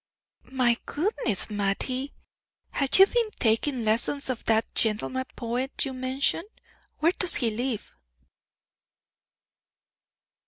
"My goodness, Mattie! have you been taking lessons of that gentleman poet you mentioned? Where does he live!"